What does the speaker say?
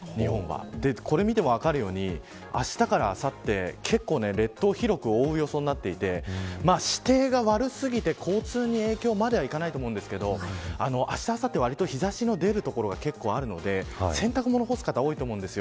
これを見ても分かるようにあしたからあさって、結構列島を広く覆う予想になっていて交通に影響まではいかないと思いますがあした、あさっては日差しの出る所が結構あるので洗濯物を干す方が多いと思います。